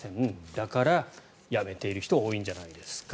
だから辞めている人が多いんじゃないですか。